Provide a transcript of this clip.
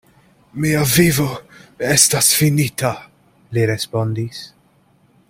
Mia vivo estas finita, li respondis.